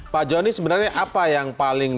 pak joni sebenarnya apa yang paling